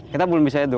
kita belum bisa itu